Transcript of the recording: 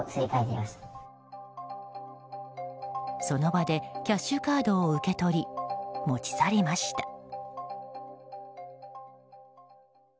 その場でキャッシュカードを受け取り持ち去りました。